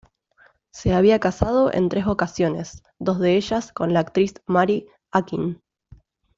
Se había casado en tres ocasiones, dos de ellas con la actriz Mary Akin.